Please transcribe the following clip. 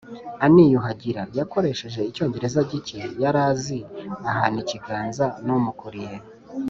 araniyuhagira Yakoresheje Icyongereza gike yari azi ahana ikiganza n umukuriye